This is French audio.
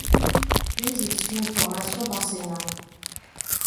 Puis il suit une formation d'enseignant.